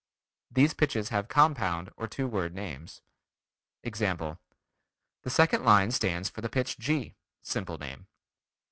These pitches have compound or two word names. Example: The second line stands for the pitch G (simple name).